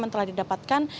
yang telah didapatkan